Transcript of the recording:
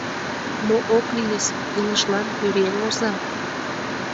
Мо ок лийыс: илышлан пӧръеҥ оза.